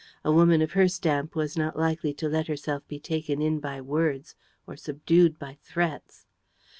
A woman of her stamp was not likely to let herself be taken in by words or subdued by threats.